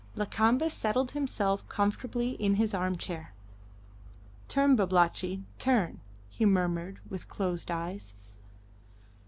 Lakamba settled himself comfortably in his arm chair. "Turn, Babalatchi, turn," he murmured, with closed eyes.